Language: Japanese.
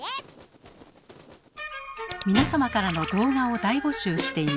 皆様からの動画を大募集しています。